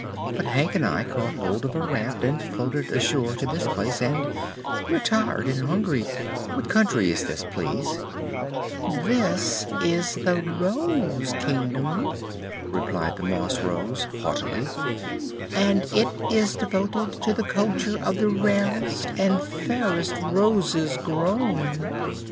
"But Hank and I caught hold of a raft and floated ashore to this place, and we're tired and hungry. What country is this, please?" "This is the Rose Kingdom," replied the Moss Rose, haughtily, "and it is devoted to the culture of the rarest and fairest Roses grown."